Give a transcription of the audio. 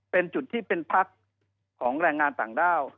เป็นจุดที่เป็นพักของแรงงานต่างด้าว